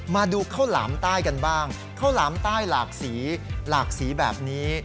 มาดูข้าวหลามใต้กันบ้างข้าวหลามใต้หลากสีหลากสีแบบนี้